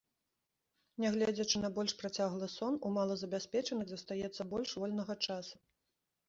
Нягледзячы на больш працяглы сон, у малазабяспечаных застаецца больш вольнага часу.